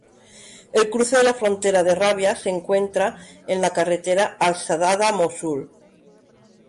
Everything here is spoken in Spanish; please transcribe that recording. El cruce de la frontera de Rabia se encuentra en la carretera Al-Shaddadah-Mosul.